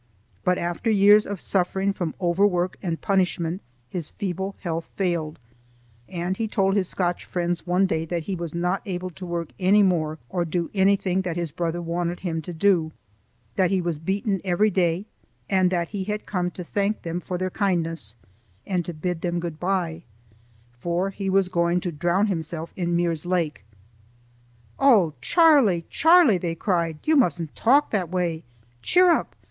But after years of suffering from overwork and illness his feeble health failed, and he told his Scotch friends one day that he was not able to work any more or do anything that his brother wanted him to do, that he was tired of life, and that he had come to thank them for their kindness and to bid them good bye, for he was going to drown himself in Muir's lake. "Oh, Charlie! Charlie!" they cried, "you mustn't talk that way. Cheer up!